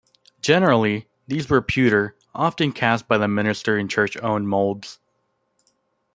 Generally, these were pewter, often cast by the minister in church-owned molds.